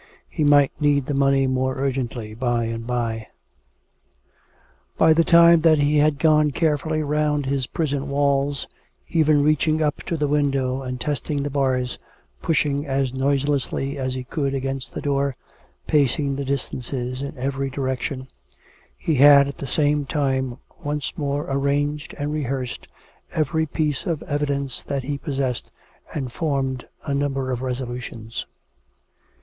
He might need the money more urgently by and by. By the time that he had gone carefully round his prison walls, even reaching up to the window and testing the bars, pushing as noiselessly as he could against the door, pacing the distances in every direction — he had, at the same time, once more arranged and rehearsed every piece of evidence that he possessed, and formed a number of resolutions.